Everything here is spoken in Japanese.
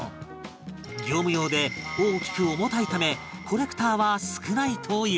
業務用で大きく重たいためコレクターは少ないという